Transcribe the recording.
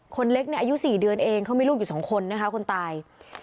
คนเล็กเนี่ยอายุ๔เดือนเองเขามีลูกอยู่๒คนนะคะคนตาย